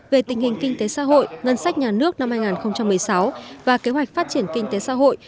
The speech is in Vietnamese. về tình hình kinh tế xã hội ngân sách nhà nước năm hai nghìn một mươi sáu và kế hoạch phát triển kinh tế xã hội